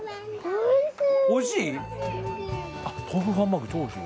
おいしい！